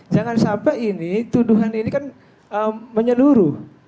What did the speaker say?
jangan sampai ini tuduhan ini kan menyeluruh